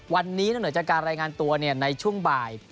วันนี้นอกเหนือจากการรายงานตัวในช่วงบ่าย